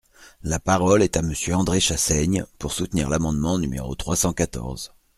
La parole est à Monsieur André Chassaigne, pour soutenir l’amendement numéro trois cent quatorze.